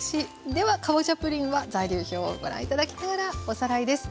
ではかぼちゃプリンは材料表をご覧頂きながらおさらいです。